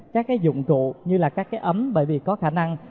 các cái dụng cụ như là các cái ấm bởi vì có khả năng